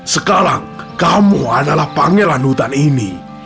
sekarang kamu adalah panggilan hutan ini